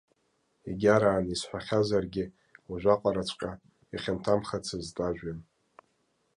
Егьараан исҳәахьазаргьы уажәаҟараҵәҟьа ихьанҭамхацызт ажәҩан.